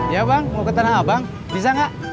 iya bang mau ke tanah abang bisa gak